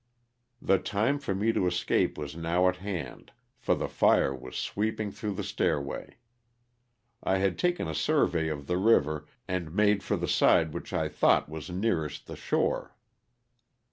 The time for me to escape was now at hand for the fire was sweeping through the stairway. I had taken a survey of the river and made for the side which I thought was nearest the shore.